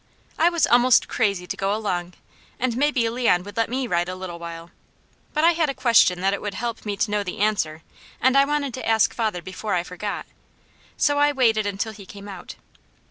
I was almost crazy to go along, and maybe Leon would let me ride a little while; but I had a question that it would help me to know the answer and I wanted to ask father before I forgot; so I waited until he came out.